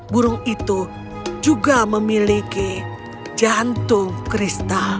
burung itu juga memiliki jantung kristal